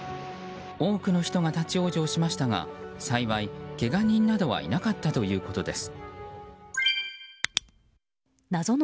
多くの人が立ち往生しましたが幸い、けが人などはいなかったということです。